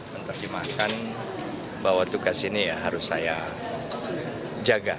menerjemahkan bahwa tugas ini ya harus saya jaga